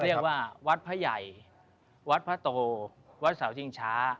เรียกว่าวัดพระใหญ่วัดพระโตวัดเสาชิงช้า